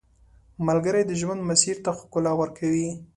ملګری د ژوند مسیر ته ښکلا ورکوي